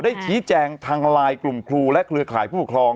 ชี้แจงทางไลน์กลุ่มครูและเครือข่ายผู้ปกครอง